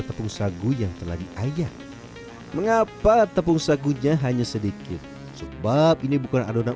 tepung sagu yang telah diayak mengapa tepung sagunya hanya sedikit sebab ini bukan adonan